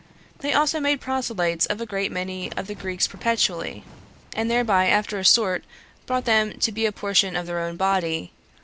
They also made proselytes of a great many of the Greeks perpetually, and thereby after a sort brought them to be a portion of their own body.